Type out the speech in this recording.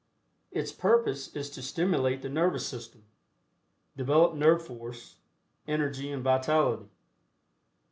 Its purpose is to stimulate the Nervous System, develop nerve force, energy and vitality.